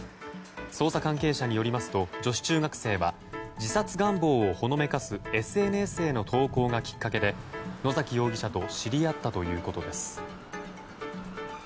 捜査関係者によりますと女子中学生は自殺願望をほのめかすＳＮＳへの投稿がきっかけで野崎容疑者と知り合ったということです。